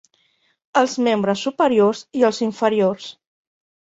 Els membres superiors i els inferiors.